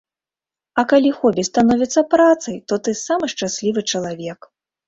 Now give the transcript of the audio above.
А калі хобі становіцца працай, то ты самы шчаслівы чалавек.